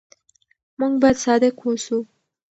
موږ بايد صادق اوسو.